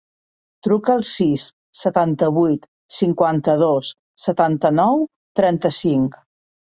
Truca al sis, setanta-vuit, cinquanta-dos, setanta-nou, trenta-cinc.